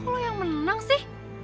kok lo yang menang sih